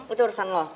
itu urusan lo